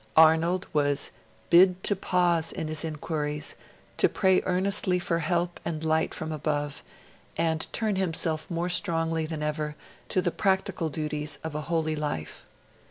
Arnold was 'bid to pause in his inquiries, to pray earnestly for help and light from above, and turn himself more strongly than ever to the practical duties of a holy life'.